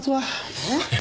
えっ？